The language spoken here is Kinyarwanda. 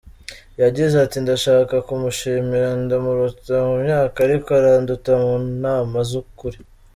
Yagize ati "Ndashaka kumushimira, ndamuruta mu myaka ariko aranduta mu nama z’ukuri.